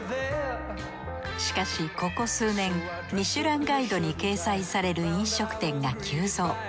しかしここ数年「ミシュランガイド」に掲載される飲食店が急増。